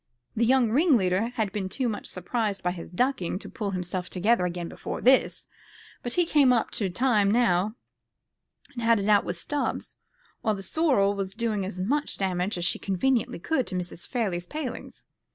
The young ringleader had been too much surprised by his ducking to pull himself together again before this, but he came up to time now, and had it out with Stubbs, while the sorrel was doing as much damage as she conveniently could to Mrs. Farley's palings.